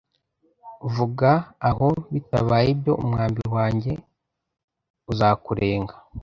Vuga aho bitabaye ibyo umwambi wanjye uzakurenga